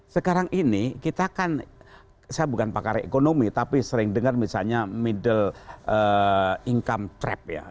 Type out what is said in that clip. sekarang ini kita kan saya bukan pakar ekonomi tapi sering dengar misalnya middle income trap ya